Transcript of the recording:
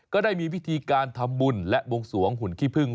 ก็ได้มีพิธีการทำบุญและบวงสวงหุ่นขี้พึ่ง